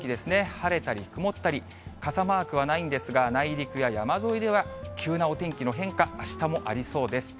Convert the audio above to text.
晴れたり曇ったり、傘マークはないんですが、内陸や山沿いでは急なお天気の変化、あしたもありそうです。